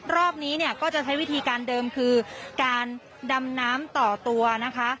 รอบนี้เนี่ยก็จะใช้วิธีการเดิมคือการดำน้ำต่อตัวนะคะ